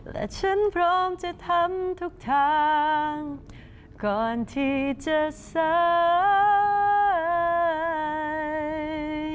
และฉันพร้อมจะทำทุกทางก่อนที่จะสาย